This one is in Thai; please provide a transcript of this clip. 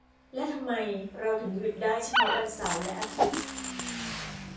และทำไมเราถึงหยุดได้เฉพาะวันเสาร์และอาทิตย์